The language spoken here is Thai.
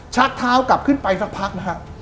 ชักเท้ากลับขึ้นไปสักพักนะฮะ